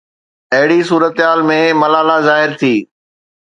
اهڙي صورتحال ۾ ملالا ظاهر ٿي.